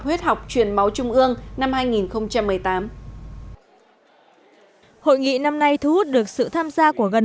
huyết học truyền máu trung ương năm hai nghìn một mươi tám hội nghị năm nay thu hút được sự tham gia của gần